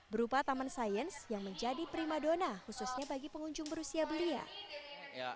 berupa taman sains yang menjadi prima dona khususnya bagi pengunjung berusia belia